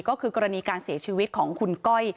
ก็คือกรณีการเสียชีวิตของคุณก้อย